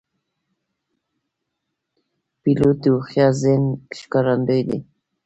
پیلوټ د هوښیار ذهن ښکارندوی دی.